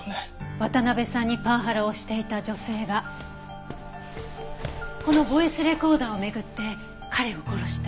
渡辺さんにパワハラをしていた女性がこのボイスレコーダーを巡って彼を殺した？